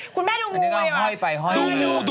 คุณแม่ตื่นอยู่ใช่ไหมคะ